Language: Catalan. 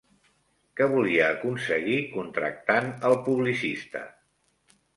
Què volia aconseguir contractant el publicista?